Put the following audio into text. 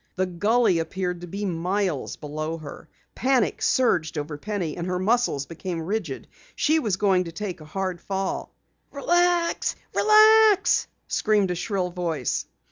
The gully appeared to be miles below her. Panic surged over Penny and her muscles became rigid. She was going to take a hard fall. "Relax! Relax!" screamed a shrill voice.